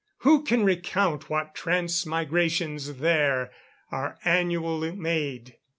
Who can recount what transmigrations there Are annual made?